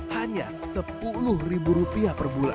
hanya sepuluh ribu rupiah per bulan